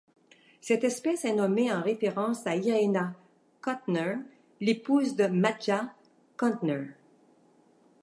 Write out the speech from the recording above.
Cette espèce est nommée en référence à Irena Kuntner, l'épouse de Matjaž Kuntner.